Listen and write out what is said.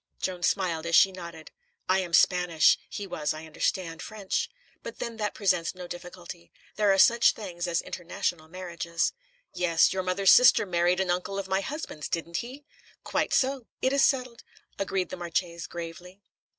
Joan smiled as she nodded. "I am Spanish; he was, I understand, French. But then that presents no difficulty. There are such things as international marriages." "Yes. Your mother's sister married an uncle of my husband's, didn't she?" "Quite so. It is settled," agreed the Marchese gravely.